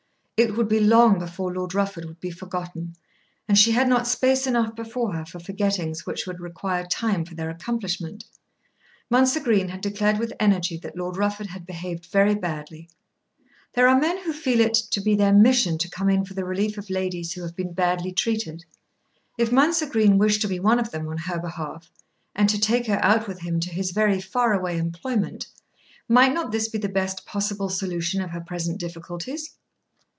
It would be long before Lord Rufford would be forgotten, and she had not space enough before her for forgettings which would require time for their accomplishment. Mounser Green had declared with energy that Lord Rufford had behaved very badly. There are men who feel it to be their mission to come in for the relief of ladies who have been badly treated. If Mounser Green wished to be one of them on her behalf, and to take her out with him to his very far away employment, might not this be the best possible solution of her present difficulties?